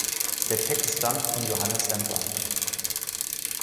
Der Text stammt von Johannes Semper.